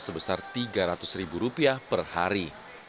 sebesar rp tiga ratus per hari